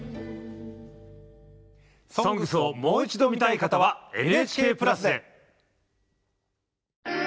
「ＳＯＮＧＳ」をもう一度見たい方はＮＨＫプラスで。